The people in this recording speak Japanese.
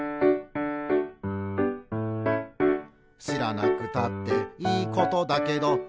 「しらなくたっていいことだけど」